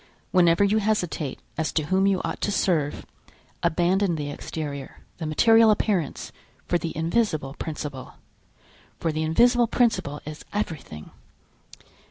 Whenever you hesitate as to whom you ought to serve, abandon the exterior, the material appearance for the invisible principle, for the invisible principle is everything.